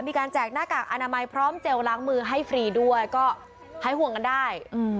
แจกหน้ากากอนามัยพร้อมเจลล้างมือให้ฟรีด้วยก็ให้ห่วงกันได้